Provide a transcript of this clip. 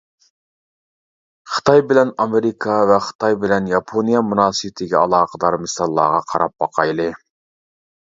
خىتاي بىلەن ئامېرىكا ۋە خىتاي بىلەن ياپونىيە مۇناسىۋىتىگە ئالاقىدار مىساللارغا قاراپ باقايلى.